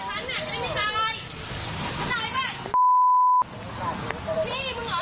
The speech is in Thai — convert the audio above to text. ไม่ใช่มึงไปด่าเค้า